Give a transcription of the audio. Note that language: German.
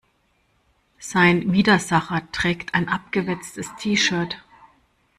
Sein Widersacher trägt ein abgewetztes T-shirt.